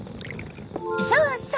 そうそう！